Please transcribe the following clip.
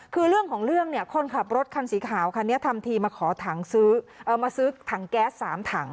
คือเรื่องของเรื่องเนี่ยคนขับรถคันสีขาวคันนี้ทำทีมาขอถังซื้อมาซื้อถังแก๊ส๓ถัง